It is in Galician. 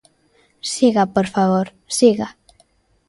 Siga, por favor, siga.